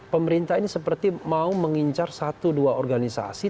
pemerintah ini seperti mau mengincar satu dua organisasi